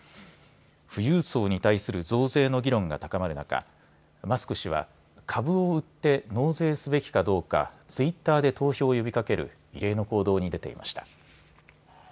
富裕層に対する増税の議論が高まる中、マスク氏は株を売って納税すべきかどうかツイッターで投票を呼びかける異例の行動に出ていました。